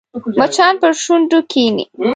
مچان پر شونډو کښېني